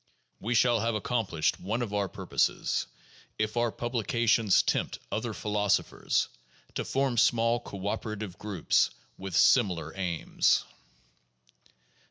We shall have accomplished one of our purposes if our publications tempt other philosophers to form small cooperative groups with similar aims.